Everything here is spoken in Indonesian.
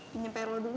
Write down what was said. dinyampe lo dulu